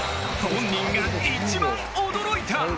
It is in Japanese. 本人が一番、驚いた！